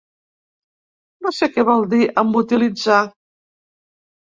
No sé què vol dir amb ‘utilitzar’.